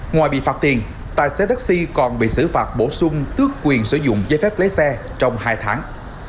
ngoài bị phạt tiền tài xế taxi còn bị xử phạt bổ sung tước quyền sử dụng giấy phép lấy xe trong hai tháng